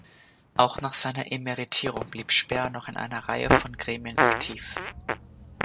Auch nach seiner Emeritierung blieb Speer noch in einer Reihe von Gremien aktiv.